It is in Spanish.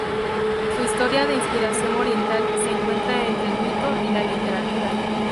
Su historia, de inspiración oriental, se encuentra entre el mito y la literatura.